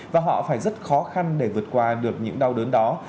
và họ phải rất khó khăn để vượt qua được những đau đớn đó